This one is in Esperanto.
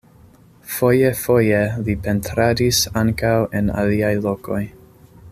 Foje-foje li pentradis ankaŭ en aliaj lokoj.